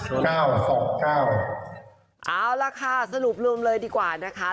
เอาล่ะค่ะสรุปรวมเลยดีกว่านะคะ